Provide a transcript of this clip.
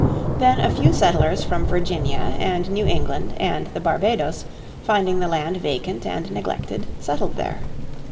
Then a few settlers from Virginia and New England and the Barbados, finding the land vacant and neglected, settled there.